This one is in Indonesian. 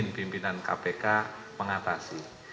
mungkin pimpinan kpk mengatasi